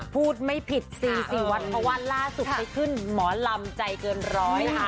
พูดไม่ผิด๔๔วัดเพราะว่าล่าสุดไปขึ้นหมอลำใจเกินร้อยนะคะ